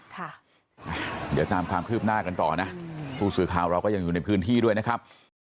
เดี๋ยวตามความคืบหน้ากันต่อนะผู้สื่อข่าวเราก็ยังอยู่ในพื้นที่ด้วยนะครับ